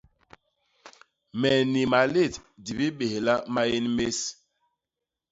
Me ni malét di bibélha maén més.